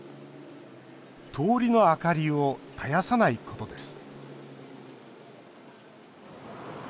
通りの明かりを絶やさないことです